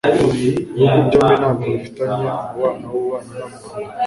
ibihugu byombi ntabwo bifitanye umubano w'ububanyi n'amahanga